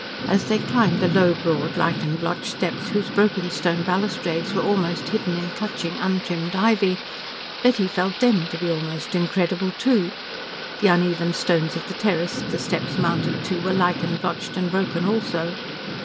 As they climbed the low, broad, lichen blotched steps, whose broken stone balustrades were almost hidden in clutching, untrimmed ivy, Betty felt them to be almost incredible, too. The uneven stones of the terrace the steps mounted to were lichen blotched and broken also.